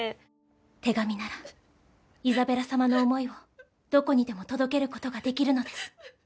手紙ならイザベラ様の思いをどこにでも届けることができるのです。